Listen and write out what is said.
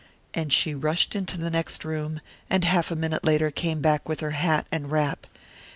And she rushed into the next room, and half a minute later came back with her hat and wrap.